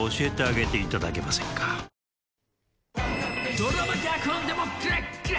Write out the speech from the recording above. ドラマ脚本でもキレッキレ。